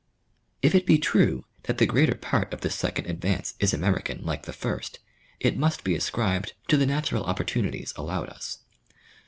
If it be true that the greater part of this second advance is American like the first, it must be ascribed to the natural oppor tunities allowed us.